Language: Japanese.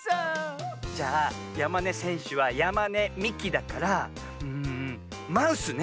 じゃあやまねせんしゅはやまねみきだからんマウスね。